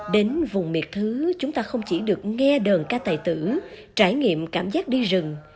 đến vùng miệt thứ chúng ta không chỉ được nghe đơn ca tài tử trải nghiệm cảm giác đi rừng